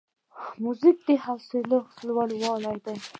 موزیک د حوصله لوړاوی دی.